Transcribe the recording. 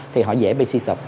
thì họ dễ bị si sụp